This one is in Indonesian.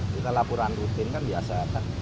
kita laporan rutin kan biasa